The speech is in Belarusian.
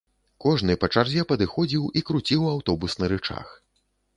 Кожны па чарзе падыходзіў і круціў аўтобусны рычаг.